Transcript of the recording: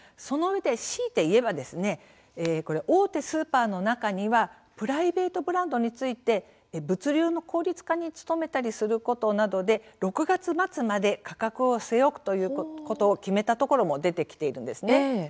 そのうえで強いて言えば大手スーパーの中にはプライベートブランドについて物流の効率化に努めたりすることなどで６月末まで価格を据え置くということを、決めたところも出てきているんですね。